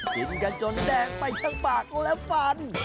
กินกันจนแดงไปทั้งปากและฟัน